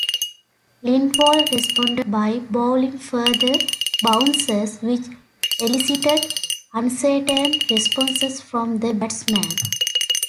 Lindwall responded by bowling further bouncers, which elicited uncertain responses from the batsman.